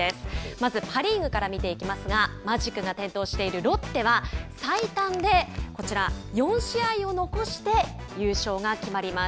まず、パ・リーグから見ていきますがマジックが点灯しているロッテは最短でこちら４試合を残して優勝が決まります。